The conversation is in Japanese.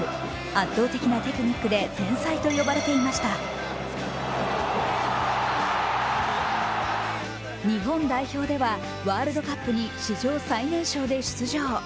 圧倒的なテクニックで天才と呼ばれていました日本代表ではワールドカップに史上最年少で出場。